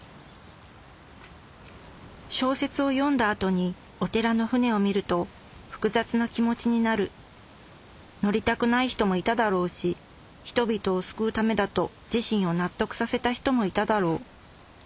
小説を読んだ後にお寺の船を見ると複雑な気持ちになる乗りたくない人もいただろうし人々を救うためだと自身を納得させた人もいただろう